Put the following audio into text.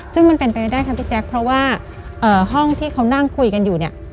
ซึ่งมันเป็นไปไม่ได้ค่ะพี่แจ๊คเพราะว่าห้องที่เขานั่งคุยกันอยู่เนี่ย